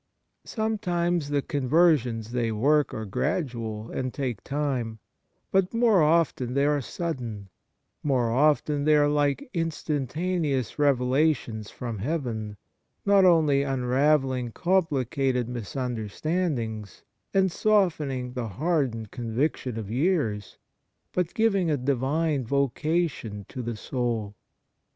Sometimes the conversions they work are gradual and take time ; but more often they are sudden, more often they are like instantaneous revelations from heaven, not only unravelling complicated misunder standings, and softening the hardened con viction of years, but giving a divine voca tion to the soul.